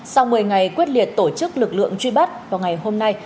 sau một mươi ngày quyết liệt tổ chức lực lượng truy bắt vào ngày hôm nay